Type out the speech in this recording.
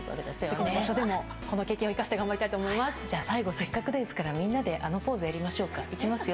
次の場所でもこの経験を生かじゃあ最後、せっかくですから、みんなであのポーズやりましょうか、いきますよ。